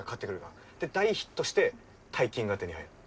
で大ヒットして大金が手に入る。